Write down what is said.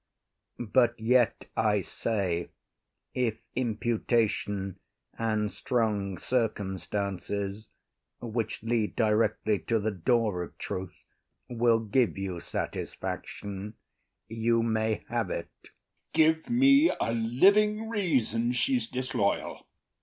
But yet I say, If imputation and strong circumstances, Which lead directly to the door of truth, Will give you satisfaction, you may have’t. OTHELLO. Give me a living reason she’s disloyal.